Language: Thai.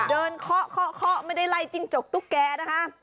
เคาะเคาะไม่ได้ไล่จิ้งจกตุ๊กแก่นะคะ